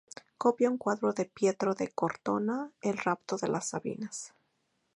Copia un cuadro de Pietro da Cortona, "El rapto de las sabinas".